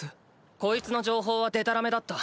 こいつの情報はデタラメだった。